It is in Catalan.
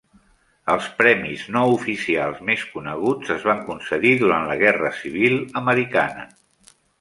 Els premis no oficials més coneguts es van concedir durant la Guerra Civil Americana.